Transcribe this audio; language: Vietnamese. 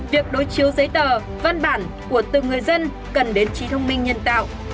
việc đối chiếu giấy tờ văn bản của từng người dân cần đến trí thông minh nhân tạo